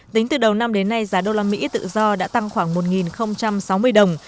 tính từ đầu năm đến nay giá đô la mỹ tự do đã tăng khoảng một sáu mươi đồng